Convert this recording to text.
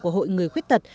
của hội người khuyết tật